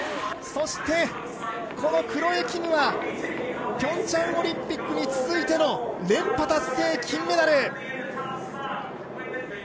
そしてこのクロエ・キムはピョンチャンオリンピックに続いての連覇達成、金メダル。